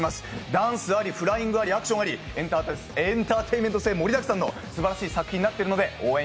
ダンスありフライングありアクションあり、エンターテインメント性盛りだくさんのすばらしい作品になってるので応援